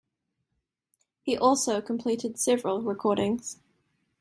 He also completed several recordings.